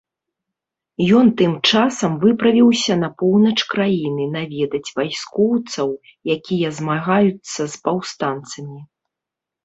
Ён тым часам выправіўся на поўнач краіны наведаць вайскоўцаў, якія змагаюцца з паўстанцамі.